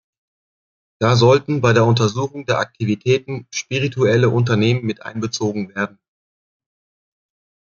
Da sollten bei der Untersuchung der Aktivitäten spirituelle Unternehmen mit einbezogen werden.